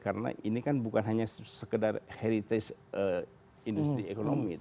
karena ini kan bukan hanya sekedar heritage industri ekonomi